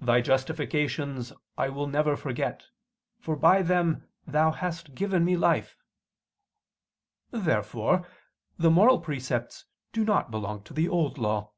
118:93: "Thy justifications I will never forget, for by them Thou hast given me life." Therefore the moral precepts do not belong to the Old Law.